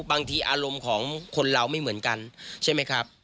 อารมณ์ของคนเราไม่เหมือนกันใช่ไหมครับ